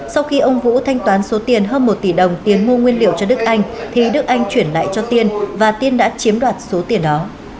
sau khi ông vũ thanh toán số tiền hơn một tỷ đồng tiền mua nguyên liệu cho đức anh thì đức anh chuyển lại cho tiên và tiên đã chiếm đoạt số tiền đó